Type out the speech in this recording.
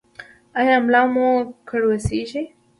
ایا ملا مو کړوسیږي؟